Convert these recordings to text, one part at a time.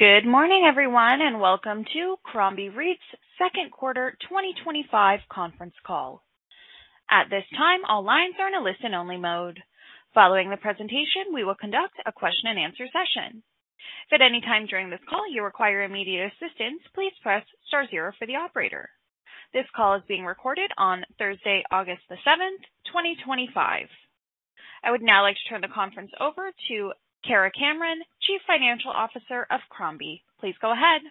Good morning, everyone, and welcome to Crombie REIT's Second Quarter 2025 Conference Call. At this time, all lines are in a listen-only mode. Following the presentation, we will conduct a question and answer session. If at any time during this call you require immediate assistance, please press star zero for the operator. This call is being recorded on Thursday, August 7, 2025. I would now like to turn the conference over to Kara Cameron, Chief Financial Officer of Crombie. Please go ahead.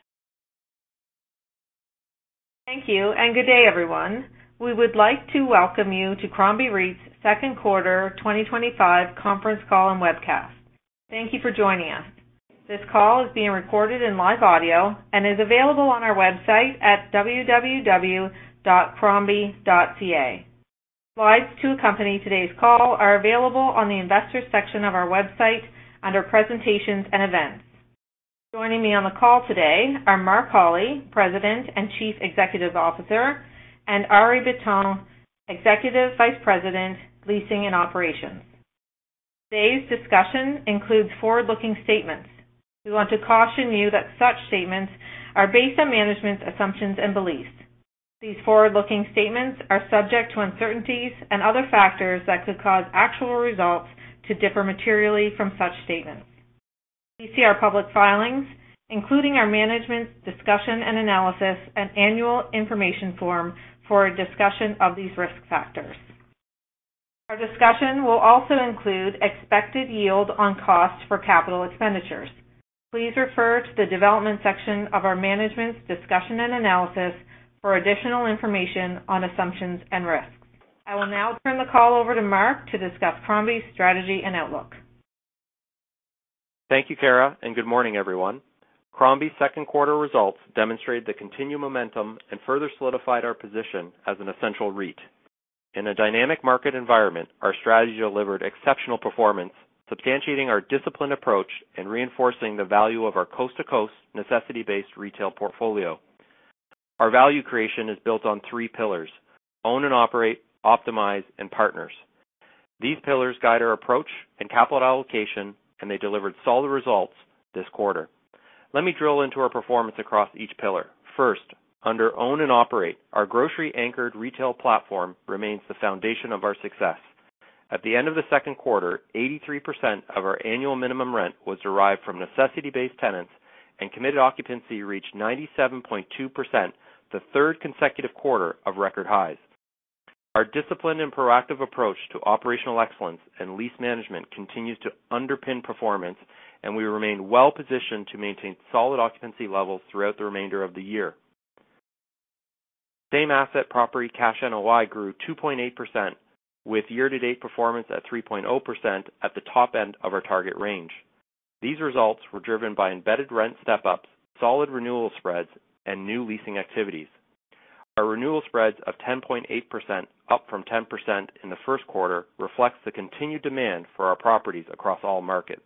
Thank you, and good day, everyone. We would like to welcome you to Crombie REIT's Second Quarter 2025 Conference Call and Webcast. Thank you for joining us. This call is being recorded in live audio and is available on our website at www.crombie.ca. Slides to accompany today's call are available on the investors section of our website under presentations and events. Joining me on the call today are Mark Holly, President and Chief Executive Officer, and Arie Bitton, Executive Vice President, Leasing and Operations. Today's discussion includes forward-looking statements. We want to caution you that such statements are based on management's assumptions and beliefs. These forward-looking statements are subject to uncertainties and other factors that could cause actual results to differ materially from such statements. Please see our public filings, including our management's discussion and analysis, and annual information form for a discussion of these risk factors. Our discussion will also include expected yield on costs for capital expenditures. Please refer to the development section of our management's discussion and analysis for additional information on assumptions and risks. I will now turn the call over to Mark to discuss Crombie's strategy and outlook. Thank you, Kara, and good morning, everyone. Crombie's second quarter results demonstrated the continued momentum and further solidified our position as an essential REIT. In a dynamic market environment, our strategy delivered exceptional performance, substantiating our disciplined approach and reinforcing the value of our coast-to-coast necessity-based retail portfolio. Our value creation is built on three pillars: own and operate, optimize, and partners. These pillars guide our approach and capital allocation, and they delivered solid results this quarter. Let me drill into our performance across each pillar. First, under own and operate, our grocery-anchored retail platform remains the foundation of our success. At the end of the second quarter, 83% of our annual minimum rent was derived from necessity-based tenants, and committed occupancy reached 97.2%, the third consecutive quarter of record highs. Our disciplined and proactive approach to operational excellence and lease management continues to underpin performance, and we remain well positioned to maintain solid occupancy levels throughout the remainder of the year. Same asset property cash NOI grew 2.8%, with year-to-date performance at 3.0% at the top end of our target range. These results were driven by embedded rent step-ups, solid renewal spreads, and new leasing activities. Our renewal spreads of 10.8%, up from 10% in the first quarter, reflect the continued demand for our properties across all markets.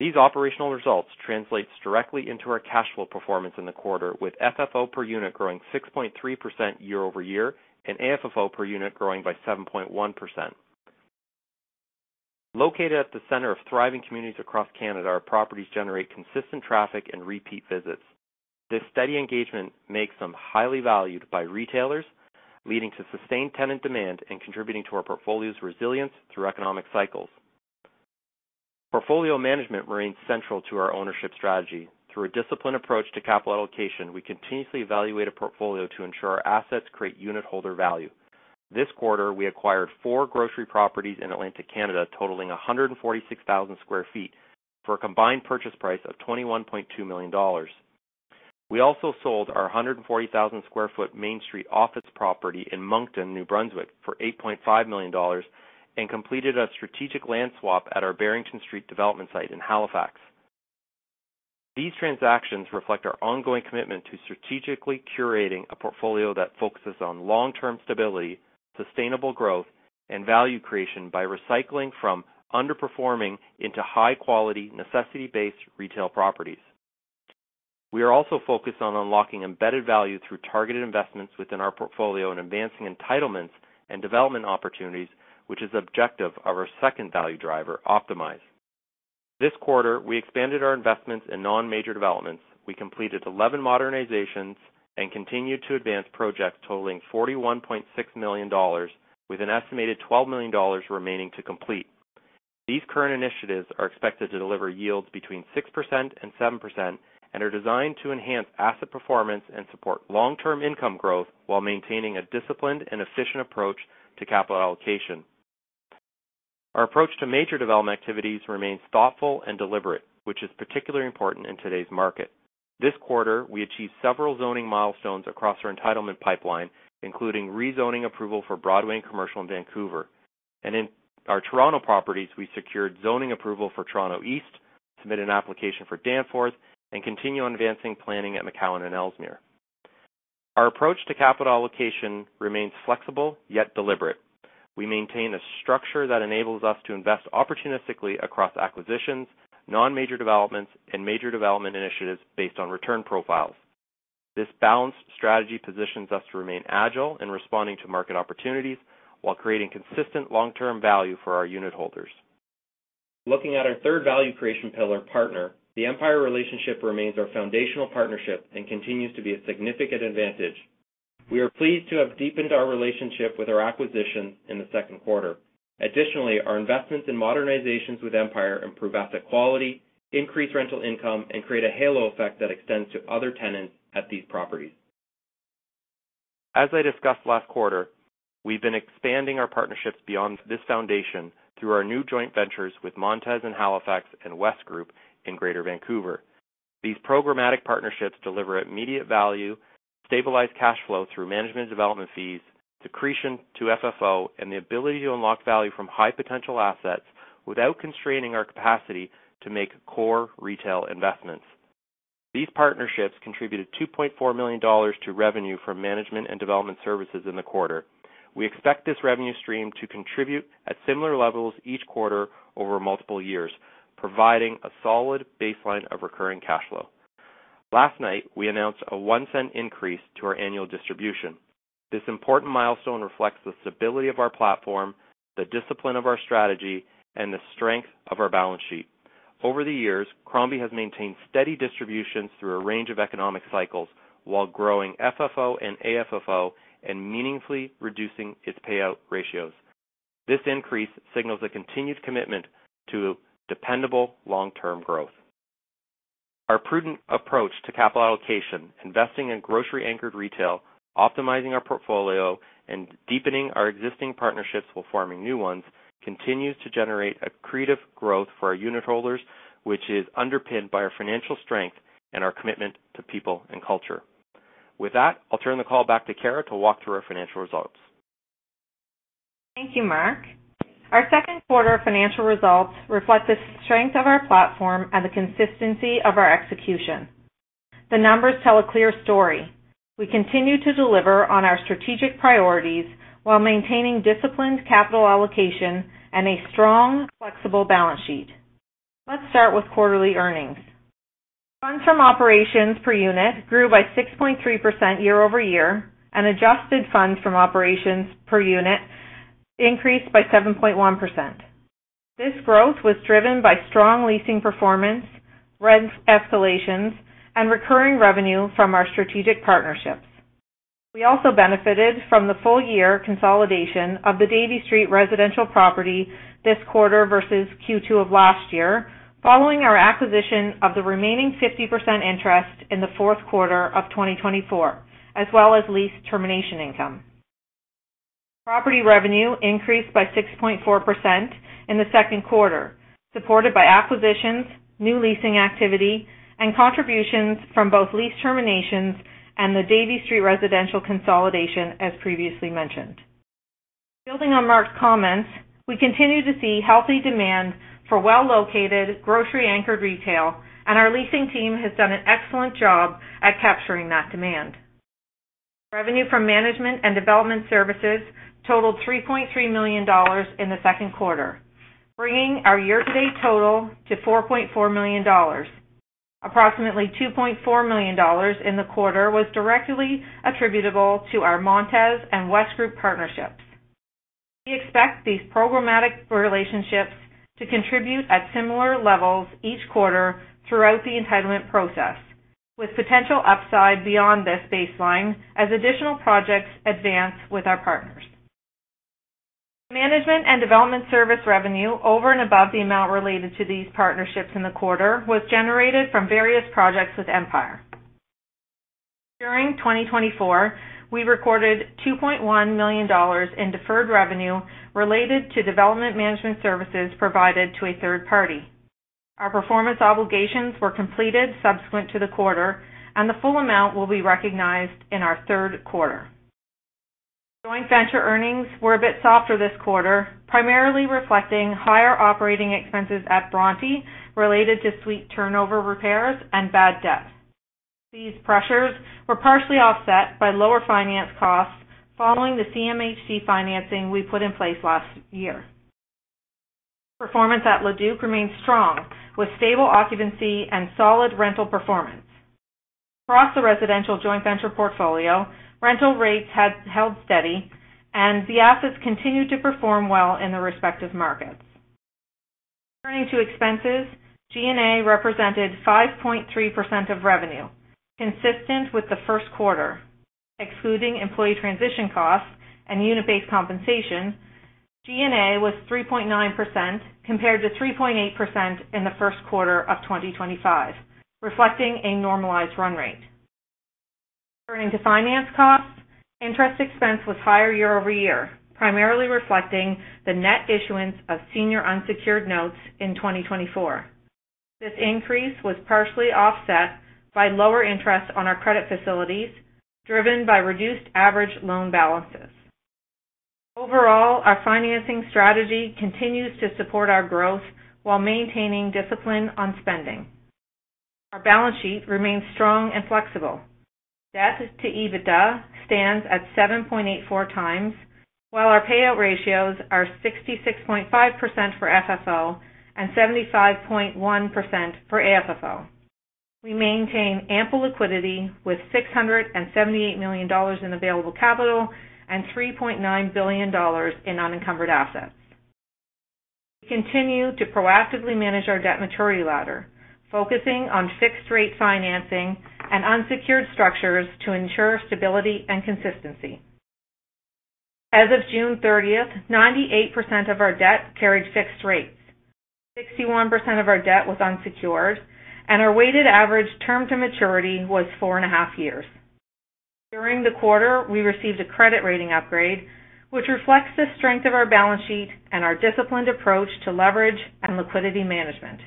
These operational results translate directly into our cash flow performance in the quarter, with FFO per unit growing 6.3% year-over-year and AFFO per unit growing by 7.1%. Located at the center of thriving communities across Canada, our properties generate consistent traffic and repeat visits. This steady engagement makes them highly valued by retailers, leading to sustained tenant demand and contributing to our portfolio's resilience through economic cycles. Portfolio management remains central to our ownership strategy. Through a disciplined approach to capital allocation, we continuously evaluate a portfolio to ensure our assets create unitholder value. This quarter, we acquired four grocery properties in Atlantic Canada, totaling 146,000 square feet, for a combined purchase price of 21.2 million dollars. We also sold our 140,000 sq ft Main Street office property in Moncton, New Brunswick, for 8.5 million dollars and completed a strategic land swap at our Barrington Street development site in Halifax. These transactions reflect our ongoing commitment to strategically curating a portfolio that focuses on long-term stability, sustainable growth, and value creation by recycling from underperforming into high-quality necessity-based retail properties. We are also focused on unlocking embedded value through targeted investments within our portfolio and advancing entitlements and development opportunities, which is the objective of our second value driver, Optimize. This quarter, we expanded our investments in non-major developments. We completed 11 modernizations and continued to advance projects totaling 41.6 million dollars, with an estimated 12 million dollars remaining to complete. These current initiatives are expected to deliver yields between 6% and 7% and are designed to enhance asset performance and support long-term income growth while maintaining a disciplined and efficient approach to capital allocation. Our approach to major development activities remains thoughtful and deliberate, which is particularly important in today's market. This quarter, we achieved several zoning milestones across our entitlement pipeline, including rezoning approval for Broadway & Commercial in Vancouver. In our Toronto properties, we secured zoning approval for Toronto East, submitted an application for Danforth, and continue on advancing planning at McAllen and Elsmere. Our approach to capital allocation remains flexible yet deliberate. We maintain a structure that enables us to invest opportunistically across acquisitions, non-major developments, and major development initiatives based on return profiles. This balanced strategy positions us to remain agile in responding to market opportunities while creating consistent long-term value for our unitholders. Looking at our third value creation pillar, Partner, the Empire relationship remains our foundational partnership and continues to be a significant advantage. We are pleased to have deepened our relationship with our acquisition in the second quarter. Additionally, our investments in modernizations with Empire improve asset quality, increase rental income, and create a halo effect that extends to other tenants at these properties. As I discussed last quarter, we've been expanding our partnerships beyond this foundation through our new joint ventures with Montez in Halifax and Wesgroup in Greater Vancouver. These programmatic partnerships deliver immediate value, stabilize cash flow through management and development fees, accretion to FFO, and the ability to unlock value from high potential assets without constraining our capacity to make core retail investments. These partnerships contributed 2.4 million dollars to revenue from management and development services in the quarter. We expect this revenue stream to contribute at similar levels each quarter over multiple years, providing a solid baseline of recurring cash flow. Last night, we announced a CAD 0.01 increase to our annual distribution. This important milestone reflects the stability of our platform, the discipline of our strategy, and the strength of our balance sheet. Over the years, Crombie has maintained steady distributions through a range of economic cycles while growing FFO and AFFO and meaningfully reducing its payout ratios. This increase signals a continued commitment to dependable long-term growth. Our prudent approach to capital allocation, investing in grocery-anchored retail, optimizing our portfolio, and deepening our existing partnerships while forming new ones continues to generate accretive growth for our unitholders, which is underpinned by our financial strength and our commitment to people and culture. With that, I'll turn the call back to Kara to walk through our financial results. Thank you, Mark. Our second quarter financial results reflect the strength of our platform and the consistency of our execution. The numbers tell a clear story. We continue to deliver on our strategic priorities while maintaining disciplined capital allocation and a strong, flexible balance sheet. Let's start with quarterly earnings. Funds from operations per unit grew by 6.3% year-over-year, and adjusted funds from operations per unit increased by 7.1%. This growth was driven by strong leasing performance, rent escalations, and recurring revenue from our strategic partnerships. We also benefited from the full-year consolidation of the Davie Street residential property this quarter versus Q2 of last year, following our acquisition of the remaining 50% interest in the fourth quarter of 2024, as well as lease termination income. Property revenue increased by 6.4% in the second quarter, supported by acquisitions, new leasing activity, and contributions from both lease terminations and the Davie Street residential consolidation, as previously mentioned. Building on Mark's comments, we continue to see healthy demand for well-located grocery-anchored retail, and our leasing team has done an excellent job at capturing that demand. Revenue from management and development services totaled 3.3 million dollars in the second quarter, bringing our year-to-date total to 4.4 million dollars. Approximately 2.4 million dollars in the quarter was directly attributable to our Montez and Wesgroup partnerships. We expect these programmatic relationships to contribute at similar levels each quarter throughout the entitlement process, with potential upside beyond this baseline as additional projects advance with our partners. Management and development service revenue over and above the amount related to these partnerships in the quarter was generated from various projects with Empire. During 2024, we recorded 2.1 million dollars in deferred revenue related to development management services provided to a third party. Our performance obligations were completed subsequent to the quarter, and the full amount will be recognized in our third quarter. Joint venture earnings were a bit softer this quarter, primarily reflecting higher operating expenses at Bronte related to suite turnover repairs and bad debt. These pressures were partially offset by lower finance costs following the CMHC financing we put in place last year. Performance at Le Duke remains strong, with stable occupancy and solid rental performance. Across the residential joint venture portfolio, rental rates had held steady, and the assets continued to perform well in their respective markets. Turning to expenses, G&A represented 5.3% of revenue, consistent with the first quarter. Excluding employee transition costs and unit-based compensation, G&A was 3.9% compared to 3.8% in the first quarter of 2025, reflecting a normalized run rate. Turning to finance costs, interest expense was higher year-over-year, primarily reflecting the net issuance of senior unsecured notes in 2024. This increase was partially offset by lower interest on our credit facilities, driven by reduced average loan balances. Overall, our financing strategy continues to support our growth while maintaining discipline on spending. Our balance sheet remains strong and flexible. Debt to EBITDA stands at 7.84x, while our payout ratios are 66.5% for FFO and 75.1% for AFFO. We maintain ample liquidity with 678 million dollars in available capital and 3.9 billion dollars in unencumbered assets. We continue to proactively manage our debt maturity ladder, focusing on fixed-rate financing and unsecured structures to ensure stability and consistency. As of June 30th, 98% of our debt carried fixed rates, 61% of our debt was unsecured, and our weighted average term to maturity was four and a half years. During the quarter, we received a credit rating upgrade, which reflects the strength of our balance sheet and our disciplined approach to leverage and liquidity management.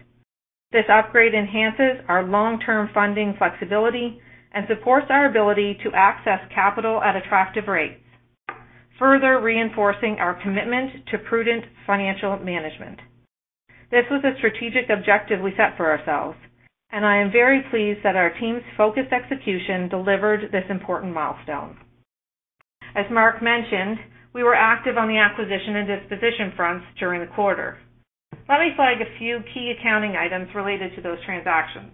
This upgrade enhances our long-term funding flexibility and supports our ability to access capital at attractive rates, further reinforcing our commitment to prudent financial management. This was a strategic objective we set for ourselves, and I am very pleased that our team's focused execution delivered this important milestone. As Mark mentioned, we were active on the acquisition and disposition fronts during the quarter. Let me flag a few key accounting items related to those transactions.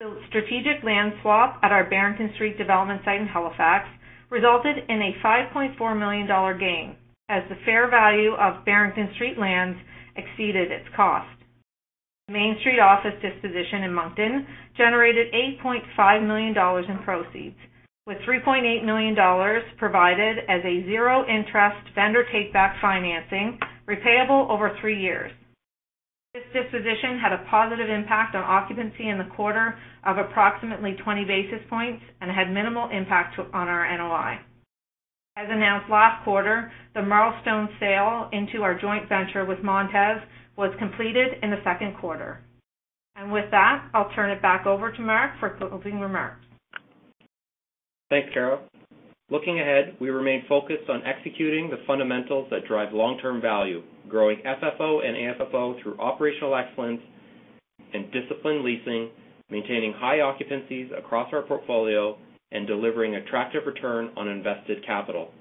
The strategic land swap at our Barrington Street development site in Halifax resulted in a 5.4 million dollar gain, as the fair value of Barrington Street lands exceeded its cost. Main Street Office disposition in Moncton generated 8.5 million dollars in proceeds, with 3.8 million dollars provided as a zero-interest vendor takeback financing repayable over three years. This disposition had a positive impact on occupancy in the quarter of approximately 20 basis points and had minimal impact on our NOI. As announced last quarter, the milestone sale into our joint venture with Montez was completed in the second quarter. With that, I'll turn it back over to Mark for closing remarks. Thanks, Kara. Looking ahead, we remain focused on executing the fundamentals that drive long-term value, growing FFO and AFFO through operational excellence and disciplined leasing, maintaining high occupancies across our portfolio, and delivering attractive return on invested capital.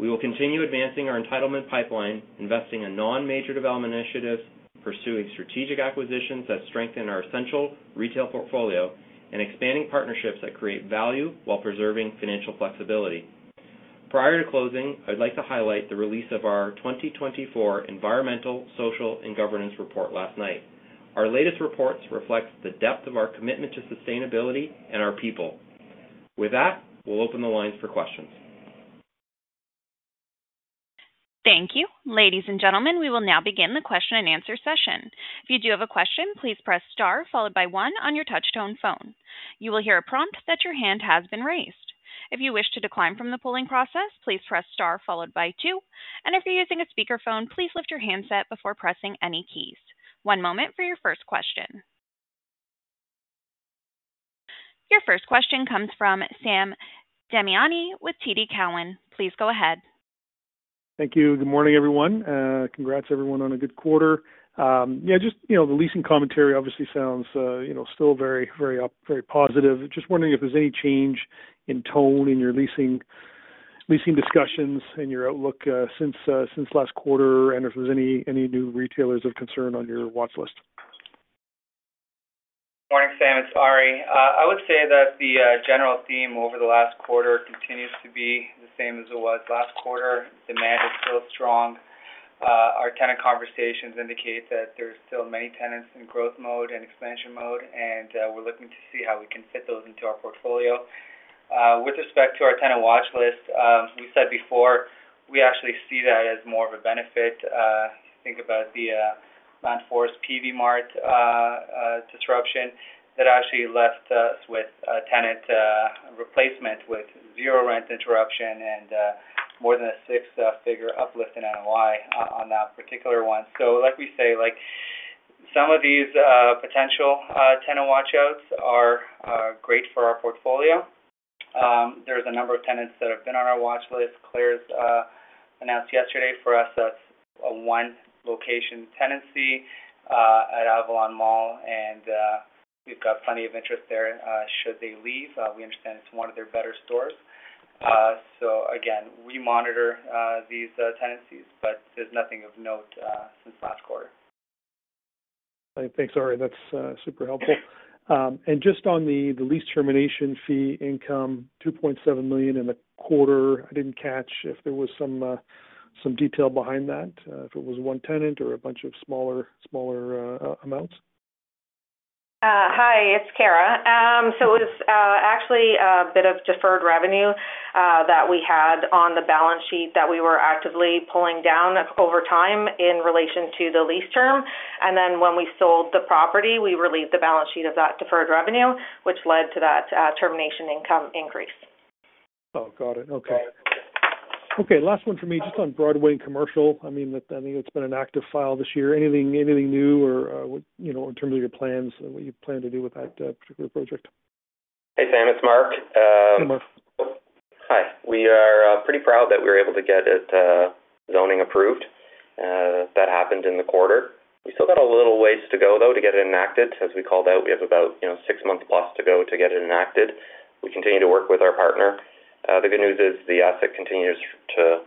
We will continue advancing our entitlement pipeline, investing in non-major development initiatives, pursuing strategic acquisitions that strengthen our essential retail portfolio, and expanding partnerships that create value while preserving financial flexibility. Prior to closing, I'd like to highlight the release of our 2024 Environmental, Social, and Governance Report last night. Our latest reports reflect the depth of our commitment to sustainability and our people. With that, we'll open the lines for questions. Thank you. Ladies and gentlemen, we will now begin the question and answer session. If you do have a question, please press star followed by one on your touch-tone phone. You will hear a prompt that your hand has been raised. If you wish to decline from the polling process, please press star followed by two. If you're using a speaker phone, please lift your handset before pressing any keys. One moment for your first question. Your first question comes from Sam Damiani with TD Cowen. Please go ahead. Thank you. Good morning, everyone. Congrats everyone on a good quarter. The leasing commentary obviously sounds very, very positive. Just wondering if there's any change in tone in your leasing discussions and your outlook since last quarter, and if there's any new retailers of concern on your watchlist. Morning, Sam. It's Arie. I would say that the general theme over the last quarter continues to be the same as it was last quarter. Demand has grown strong. Our tenant conversations indicate that there's still many tenants in growth mode and expansion mode, and we're looking to see how we can fit those into our portfolio. With respect to our tenant watchlist, as we said before, we actually see that as more of a benefit. If you think about the Landforce PV Mart disruption, that actually left us with a tenant replacement with zero rent interruption and more than a six-figure uplift in NOI on that particular one. Like we say, some of these potential tenant watchouts are great for our portfolio. There's a number of tenants that have been on our watchlist. [Claire's] announced yesterday for us that's a one-location tenancy at Avalon Mall, and we've got plenty of interest there. Should they leave, we understand it's one of their better stores. Again, we monitor these tenancies, but there's nothing of note since last quarter. Thanks, Arie. That's super helpful. Just on the lease termination fee income, 2.7 million in the quarter, I didn't catch if there was some detail behind that, if it was one tenant or a bunch of smaller amounts. Hi, it's Kara. It was actually a bit of deferred revenue that we had on the balance sheet that we were actively pulling down over time in relation to the lease term. When we sold the property, we relieved the balance sheet of that deferred revenue, which led to that termination income increase. Got it, okay. Okay, last one for me, just on Broadway & Commercial. I think it's been an active file this year. Anything new or, you know, in terms of your plans and what you plan to do with that particular project? Hey, Sam. It's Mark. Hey, Mark. Hi. We are pretty proud that we were able to get it zoning approved. That happened in the quarter. We still got a little ways to go, though, to get it enacted. As we called out, we have about, you know, six months plus to go to get it enacted. We continue to work with our partner. The good news is the asset continues to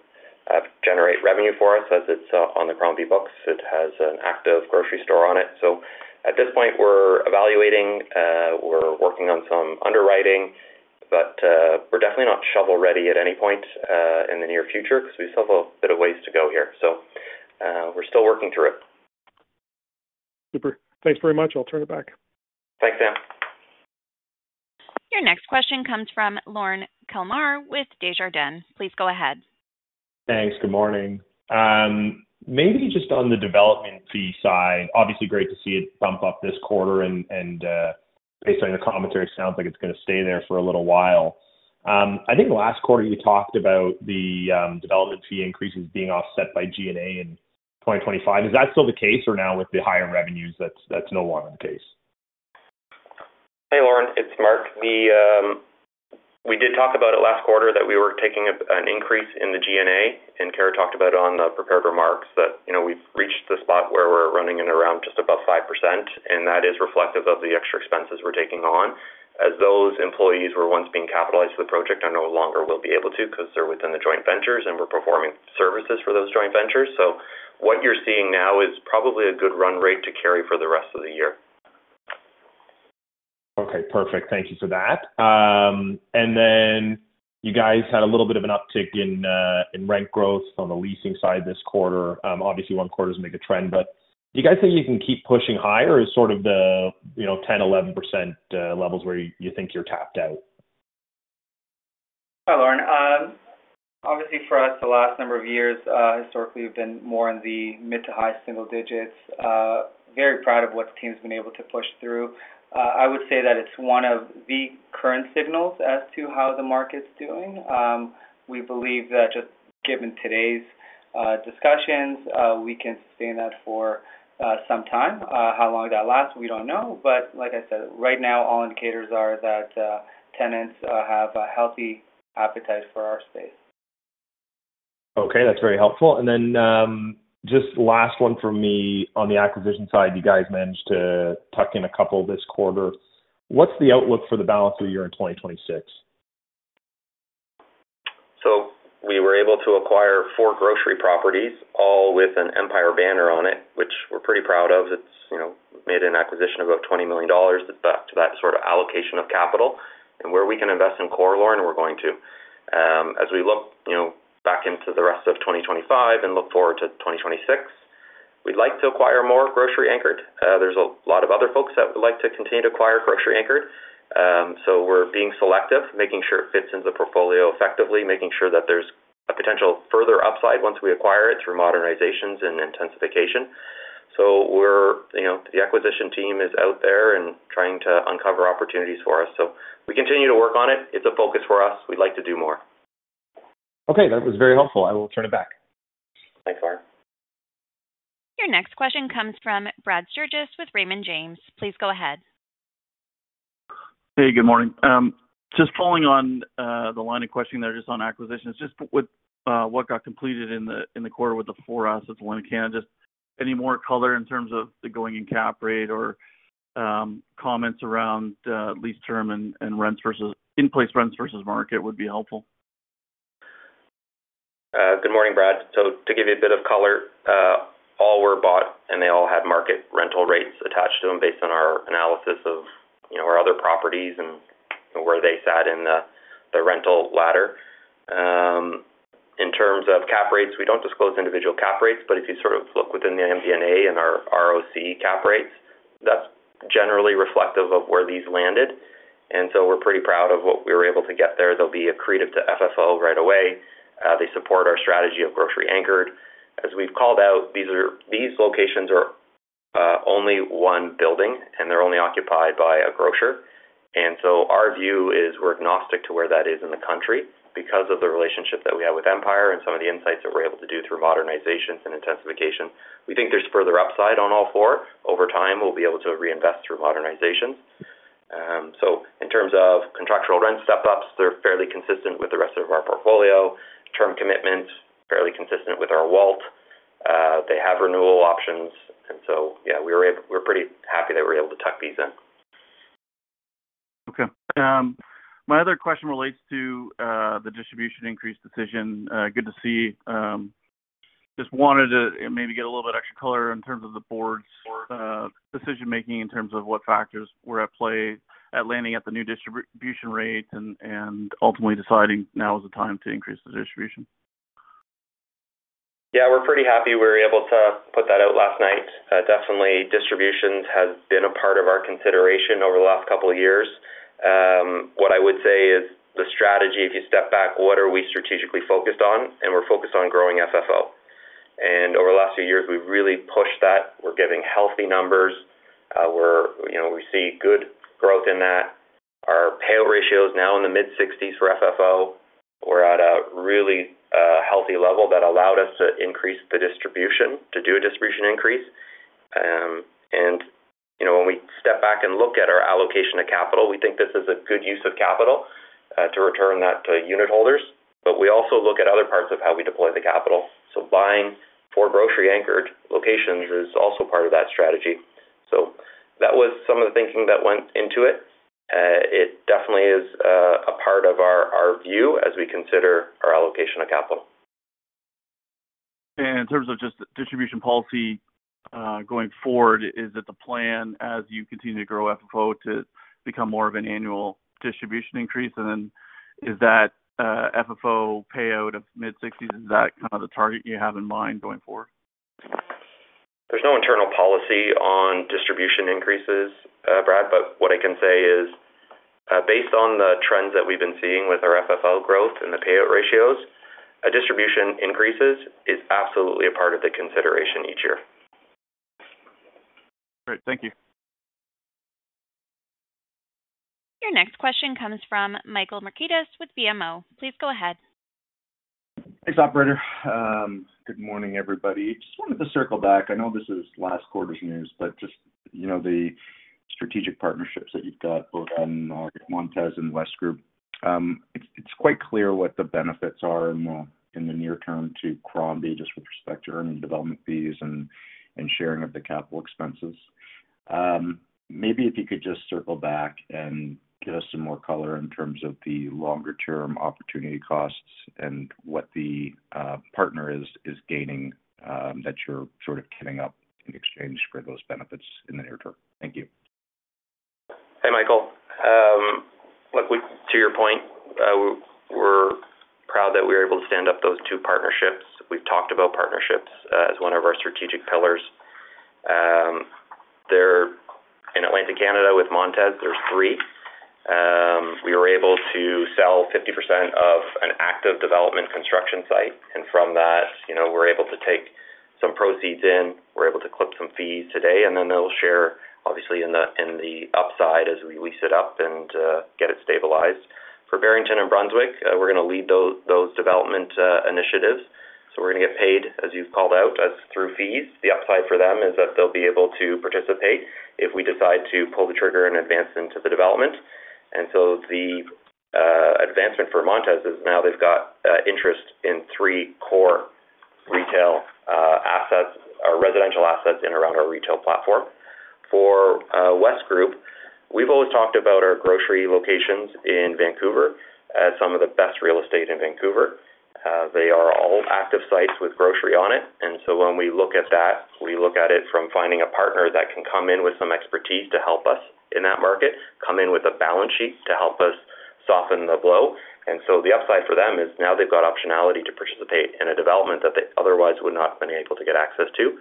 generate revenue for us as it's on the Crombie books. It has an active grocery store on it. At this point, we're evaluating. We're working on some underwriting, but we're definitely not shovel-ready at any point in the near future because we still have a bit of ways to go here. We're still working through it. Super. Thanks very much. I'll turn it back. Thanks, Sam. Your next question comes from Lorne Kalmar with Desjardins. Please go ahead. Thanks. Good morning. Maybe just on the development fee side, obviously great to see it bump up this quarter, and based on your commentary, it sounds like it's going to stay there for a little while. I think last quarter you talked about the development fee increases being offset by G&A in 2025. Is that still the case, or now with the higher revenues, that's no longer the case? Hey, Lorne. It's Mark. We did talk about it last quarter that we were taking an increase in the G&A, and Kara talked about it on the prepared remarks that, you know, we've reached the spot where we're running in around just above 5%, and that is reflective of the extra expenses we're taking on. As those employees were once being capitalized for the project, I no longer will be able to because they're within the joint ventures, and we're performing services for those joint ventures. What you're seeing now is probably a good run rate to carry for the rest of the year. Okay, perfect. Thank you for that. You guys had a little bit of an uptick in rent growth on the leasing side this quarter. Obviously, one quarter's a big trend, but you guys think you can keep pushing higher? Is sort of the, you know, 10%, 11% levels where you think you're tapped out? Hi, Lorne. Obviously, for us, the last number of years, historically, we've been more in the mid to high single digits. Very proud of what the team's been able to push through. I would say that it's one of the current signals as to how the market's doing. We believe that just given today's discussions, we can sustain that for some time. How long that lasts, we don't know. Like I said, right now, all indicators are that tenants have a healthy appetite for our space. Okay, that's very helpful. Just last one for me. On the acquisition side, you guys managed to tuck in a couple this quarter. What's the outlook for the balance of the year in 2026? We were able to acquire four grocery properties, all with an Empire banner on it, which we're pretty proud of. It made an acquisition of about 20 million dollars to that sort of allocation of capital. Where we can invest in core inline, we're going to. As we look back into the rest of 2025 and look forward to 2026, we'd like to acquire more grocery-anchored. There's a lot of other folks that would like to continue to acquire grocery-anchored. We're being selective, making sure it fits into the portfolio effectively, making sure that there's a potential further upside once we acquire it through modernizations and intensification. The acquisition team is out there and trying to uncover opportunities for us. We continue to work on it. It's a focus for us. We'd like to do more. Okay, that was very helpful. I will turn it back. Your next question comes from Brad Sturges with Raymond James. Please go ahead. Hey, good morning. Just following on the line of questioning there, just on acquisitions, with what got completed in the quarter with the four assets in Lincoln, any more color in terms of the going in cap rate or comments around lease term and rents versus in-place rents versus market would be helpful. Good morning, Brad. To give you a bit of color, all were bought, and they all had market rental rates attached to them based on our analysis of our other properties and where they sat in the rental ladder. In terms of cap rates, we don't disclose individual cap rates, but if you look within the MVNA and our ROC cap rates, that's generally reflective of where these landed. We're pretty proud of what we were able to get there. They'll be accretive to FFO right away. They support our strategy of grocery-anchored. As we've called out, these locations are only one building, and they're only occupied by a grocer. Our view is we're agnostic to where that is in the country because of the relationship that we have with Empire and some of the insights that we're able to do through modernizations and intensification. We think there's further upside on all four. Over time, we'll be able to reinvest through modernizations. In terms of contractual rent step-ups, they're fairly consistent with the rest of our portfolio. Term commitments are fairly consistent with our WALT. They have renewal options. We're pretty happy that we're able to tuck these in. Okay. My other question relates to the distribution increase decision. Good to see. Just wanted to maybe get a little bit of extra color in terms of the Board's decision-making in terms of what factors were at play at landing at the new distribution rate and ultimately deciding now is the time to increase the distribution. Yeah, we're pretty happy we were able to put that out last night. Definitely, distributions have been a part of our consideration over the last couple of years. What I would say is the strategy, if you step back, what are we strategically focused on? We're focused on growing FFO. Over the last few years, we've really pushed that. We're giving healthy numbers. We see good growth in that. Our payout ratio is now in the mid-60% for FFO. We're at a really healthy level that allowed us to increase the distribution, to do a distribution increase. When we step back and look at our allocation of capital, we think this is a good use of capital to return that to unitholders. We also look at other parts of how we deploy the capital. Buying for grocery-anchored locations is also part of that strategy. That was some of the thinking that went into it. It definitely is a part of our view as we consider our allocation of capital. In terms of just the distribution policy going forward, is it the plan as you continue to grow FFO to become more of an annual distribution increase? Is that FFO payout of mid-60% the target you have in mind going forward? There's no internal policy on distribution increases, Brad, but what I can say is based on the trends that we've been seeing with our FFO growth and the payout ratios, distribution increases are absolutely a part of the consideration each year. Great. Thank you. Your next question comes from Michael Markidis with BMO. Please go ahead. Thanks, operator. Good morning, everybody. Just wanted to circle back. I know this is last quarter's news, but just, you know, the strategic partnerships that you've got both in Montez and Wesgroup. It's quite clear what the benefits are in the near term to Crombie, just with respect to earning development fees and sharing of the capital expenses. Maybe if you could just circle back and give us some more color in terms of the longer-term opportunity costs and what the partner is gaining that you're sort of kitting up in exchange for those benefits in the near term. Thank you. Hey, Michael. Look, to your point, we're proud that we were able to stand up those two partnerships. We've talked about partnerships as one of our strategic pillars. They're in Atlantic Canada with Montez. They're three. We were able to sell 50% of an active development construction site, and from that, you know, we're able to take some proceeds in. We're able to clip some fees today, and then they'll share, obviously, in the upside as we lease it up and get it stabilized. For Barrington and Brunswick, we're going to lead those development initiatives. We're going to get paid, as you've called out, through fees. The upside for them is that they'll be able to participate if we decide to pull the trigger and advance into the development. The advancement for Montez is now they've got interest in three core retail assets, our residential assets in and around our retail platform. For Wesgroup, we've always talked about our grocery locations in Vancouver as some of the best real estate in Vancouver. They are all active sites with grocery on it. When we look at that, we look at it from finding a partner that can come in with some expertise to help us in that market, come in with a balance sheet to help us soften the blow. The upside for them is now they've got optionality to participate in a development that they otherwise would not have been able to get access to.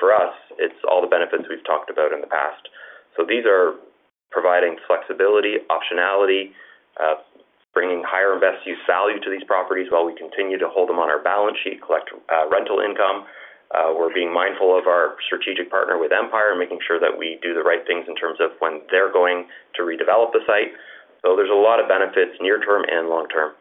For us, it's all the benefits we've talked about in the past. These are providing flexibility, optionality, bringing higher invest use value to these properties while we continue to hold them on our balance sheet, collect rental income. We're being mindful of our strategic partner with Empire and making sure that we do the right things in terms of when they're going to redevelop the site. There's a lot of benefits near term and long term.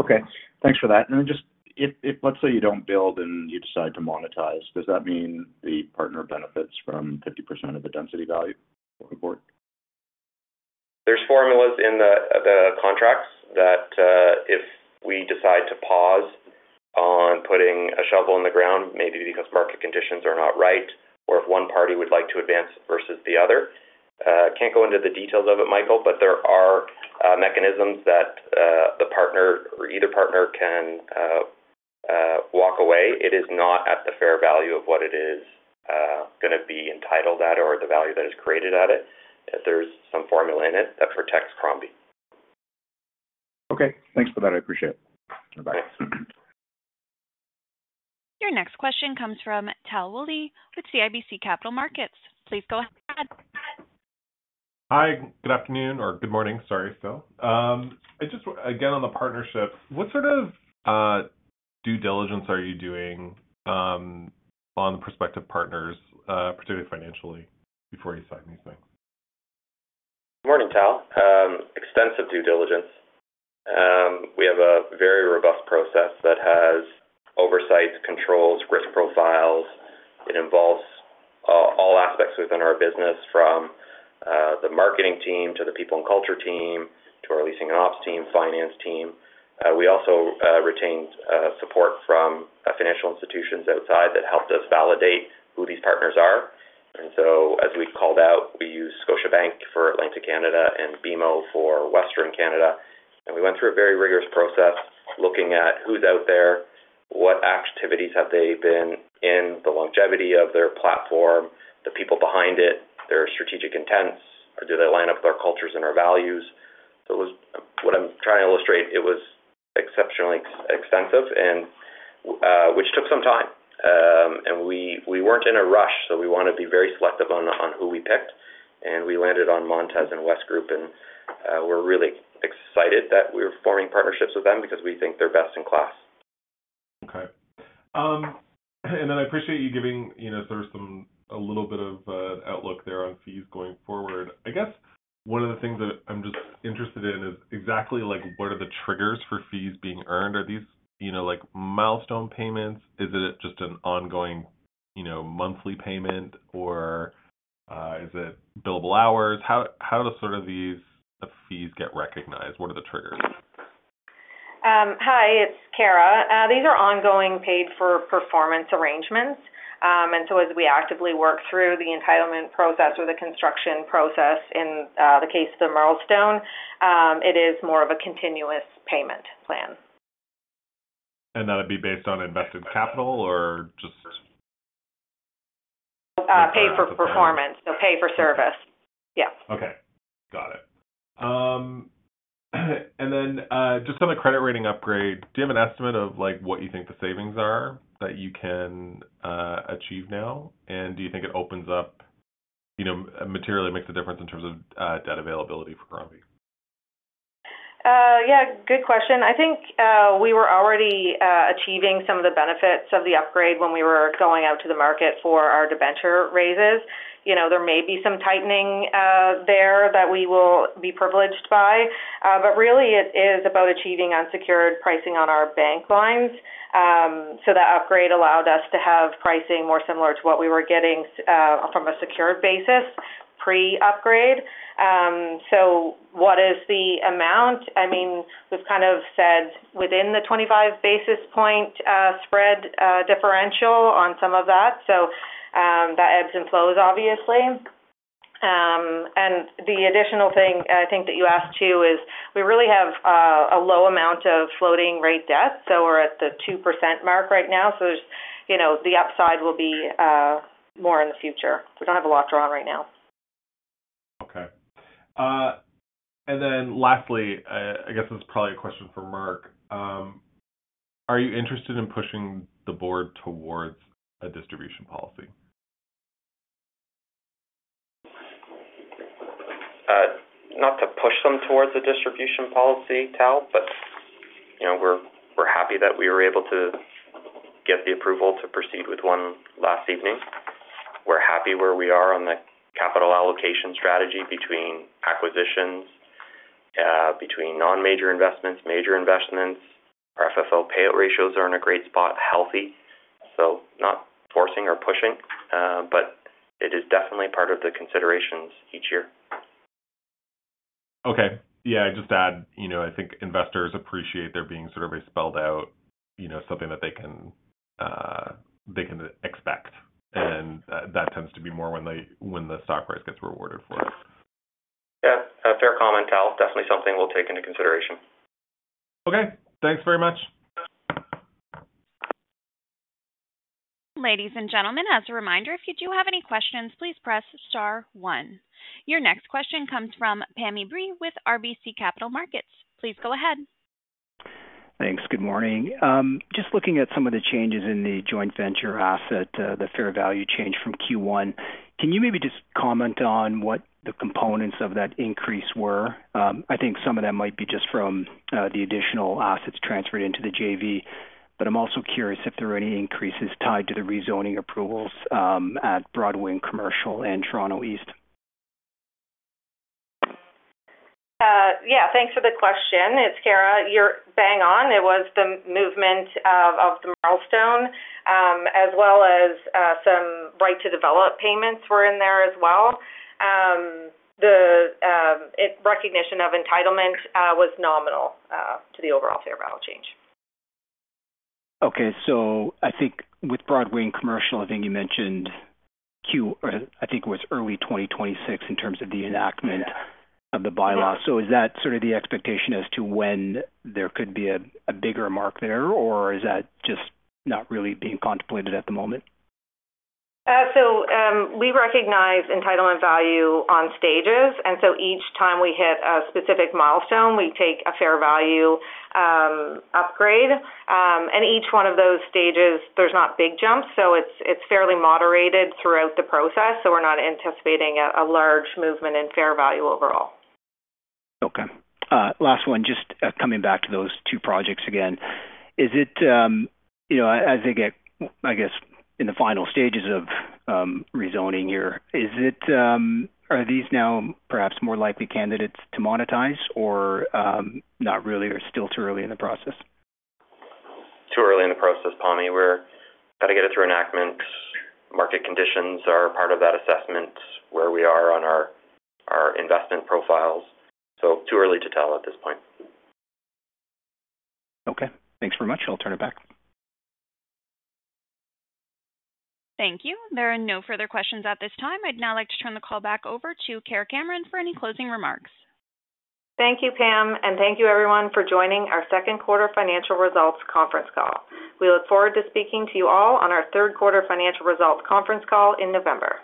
Okay, thanks for that. Let's say you don't build and you decide to monetize, does that mean the partner benefits from 50% of the density value? There's formulas in the contracts that if we decide to pause on putting a shovel in the ground, maybe because market conditions are not right, or if one party would like to advance versus the other. I can't go into the details of it, Michael, but there are mechanisms that the partner or either partner can walk away. It is not at the fair value of what it is going to be entitled at or the value that is created at it. There is some formula in it that protects Crombie. Okay, thanks for that. I appreciate it. Thanks. Your next question comes from Tal Woolley with CIBC Capital Markets. Please go ahead. Hi, good afternoon, or good morning, sorry. I just, again, on the partnerships, what sort of due diligence are you doing on the prospective partners, particularly financially, before you sign these things? Morning, Tal. Extensive due diligence. We have a very robust process that has oversights, controls, risk profiles. It involves all aspects within our business, from the marketing team to the people and culture team to our leasing and ops team, finance team. We also retained support from financial institutions outside that helped us validate who these partners are. As we've called out, we use Scotiabank for Atlantic Canada and BMO for Western Canada. We went through a very rigorous process looking at who's out there, what activities have they been in, the longevity of their platform, the people behind it, their strategic intents, do they line up with our cultures and our values. What I'm trying to illustrate is it was exceptionally extensive, which took some time. We weren't in a rush, so we want to be very selective on who we picked. We landed on Montez and Wesgroup, and we're really excited that we're forming partnerships with them because we think they're best in class. Okay. I appreciate you giving, you know, sort of a little bit of outlook there on fees going forward. I guess one of the things that I'm just interested in is exactly like what are the triggers for fees being earned? Are these, you know, like milestone payments? Is it just an ongoing, you know, monthly payment, or is it billable hours? How do sort of these fees get recognized? What are the triggers? Hi, it's Kara. These are ongoing paid-for performance arrangements. As we actively work through the entitlement process or the construction process, in the case of the milestone, it is more of a continuous payment plan. Would that be based on invested capital or just? Paid for performance. No, paid for service. Yes. Okay. Got it. Just on the credit rating upgrade, do you have an estimate of what you think the savings are that you can achieve now? Do you think it opens up a material that makes a difference in terms of debt availability for Crombie? Yeah, good question. I think we were already achieving some of the benefits of the upgrade when we were going out to the market for our debenture raises. There may be some tightening there that we will be privileged by. It is about achieving unsecured pricing on our bank lines. That upgrade allowed us to have pricing more similar to what we were getting from a secured basis pre-upgrade. What is the amount? I mean, we've kind of said within the 25 basis point spread differential on some of that. That ebbs and flows, obviously. The additional thing I think that you asked too is we really have a low amount of floating rate debt. We're at the 2% mark right now. The upside will be more in the future. We don't have a locked draw right now. Okay. Lastly, I guess this is probably a question for Mark. Are you interested in pushing the board towards a distribution policy? Not to push them towards a distribution policy, Tal, but you know, we're happy that we were able to get the approval to proceed with one last evening. We're happy where we are on the capital allocation strategy between acquisitions, between non-major investments, major investments. Our FFO payout ratios are in a great spot, healthy. It is definitely part of the considerations each year. Okay. I just add, you know, I think investors appreciate there being sort of a spelled out, you know, something that they can expect. That tends to be more when the stock price gets rewarded for it. Yeah, fair comment, Tal. Definitely something we'll take into consideration. Okay, thanks very much. Ladies and gentlemen, as a reminder, if you do have any questions, please press star one. Your next question comes from Pammi Bir with RBC Capital Markets. Please go ahead. Thanks. Good morning. Just looking at some of the changes in the joint venture asset, the fair value change from Q1, can you maybe just comment on what the components of that increase were? I think some of that might be just from the additional assets transferred into the JV, but I'm also curious if there were any increases tied to the rezoning approvals at Broadway & Commercial and Toronto East. Yeah, thanks for the question. It's Kara. You're bang on. It was the movement of the milestone, as well as some right to develop payments were in there as well. The recognition of entitlement was nominal to the overall fair value change. Okay, I think with Broadway & Commercial, you mentioned I think it was early 2026 in terms of the enactment of the bylaws. Is that sort of the expectation as to when there could be a bigger mark there, or is that just not really being contemplated at the moment? We recognize entitlement value on stages, and each time we hit a specific milestone, we take a fair value upgrade. Each one of those stages, there's not big jumps, so it's fairly moderated throughout the process. We're not anticipating a large movement in fair value overall. Okay. Last one, just coming back to those two projects again. Is it, you know, as they get, I guess, in the final stages of rezoning here, are these now perhaps more likely candidates to monetize, or not really, or still too early in the process? Too early in the process, Pammi. We've got to get it through enactment. Market conditions are part of that assessment, where we are on our investment profiles. Too early to tell at this point. Okay, thanks very much. I'll turn it back. Thank you. There are no further questions at this time. I'd now like to turn the call back over to Kara Cameron for any closing remarks. Thank you, Pam, and thank you, everyone, for joining our second quarter financial results conference call. We look forward to speaking to you all on our third quarter financial results conference call in November.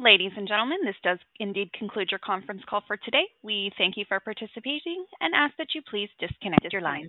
Ladies and gentlemen, this does indeed conclude your conference call for today. We thank you for participating and ask that you please disconnect your line.